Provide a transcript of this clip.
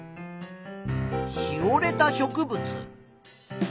しおれた植物。